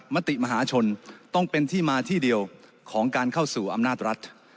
มติมหาชนต้องเป็นที่มาที่เดียวของการเข้าสู่อำนาจรัฐ